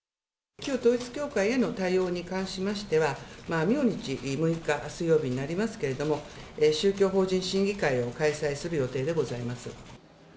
旧統一教会への対応に関しましては、明日６日水曜日になりますけれども、宗教法人審議会を開催する予定でございます。